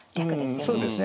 そうですね。